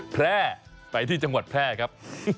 แพร่ไปที่จังหวัดแพร่ครับ